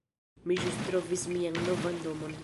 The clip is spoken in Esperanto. Mi ĵus trovis mian novan domon